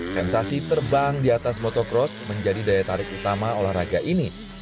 sensasi terbang di atas motocross menjadi daya tarik utama olahraga ini